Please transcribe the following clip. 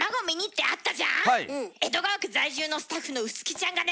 江戸川区在住のスタッフの薄木ちゃんがね